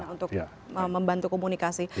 untuk membantu komunikasi